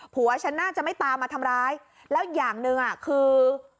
ผัวฉันน่าจะไม่ตามมาทำร้ายแล้วอย่างหนึ่งอ่ะคือ